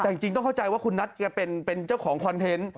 แต่จริงต้องเข้าใจว่าคุณนัทแกเป็นเจ้าของคอนเทนต์